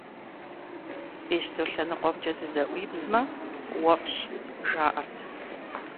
Бещто лъэныкъуэмкӀэ зызэӀуибзмэ, уэфщӀ, жаӀэрт.